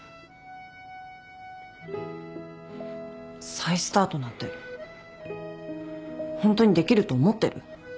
再スタートなんてホントにできると思ってる？